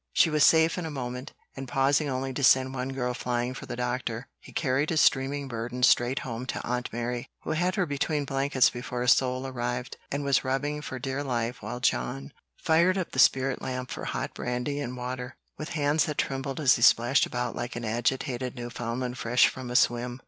She was safe in a moment, and pausing only to send one girl flying for the doctor, he carried his streaming burden straight home to Aunt Mary, who had her between blankets before a soul arrived, and was rubbing for dear life while John fired up the spirit lamp for hot brandy and water, with hands that trembled as he splashed about like an agitated Newfoundland fresh from a swim.